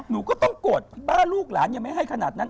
หนูก็ต้องโกรธป้าลูกหลานยังไม่ให้ขนาดนั้น